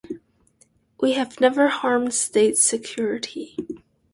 We have never harmed state security.